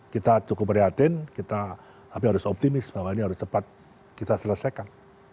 kita cukup prihatin tapi harus optimis bahwa ini harus cepat kita selesaikan